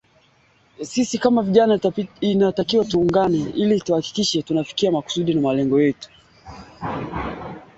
Maambukizi ya ndigana huweza kufikia asilimia mia kwenye mifugo asilia hasa ngombe wenye nundu